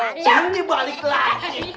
macam dibalik lagi